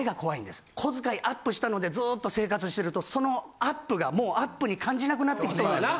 小遣いアップしたのでずっと生活してるとそのアップがもうアップに感じなくなってきとるんです。